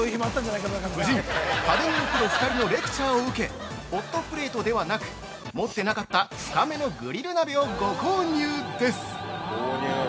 ◆夫人、家電のプロ２人のレクチャーを受け、ホットプレートではなく持ってなかった深めのグリル鍋をご購入です！